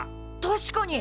確かに。